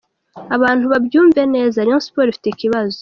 Abantu babyumve neza, Rayon Sports ifite ikibazo